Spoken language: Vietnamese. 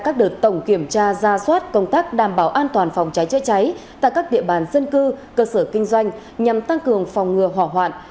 các đợt tổng kiểm tra ra soát công tác đảm bảo an toàn phòng cháy chữa cháy tại các địa bàn dân cư cơ sở kinh doanh nhằm tăng cường phòng ngừa hỏa hoạn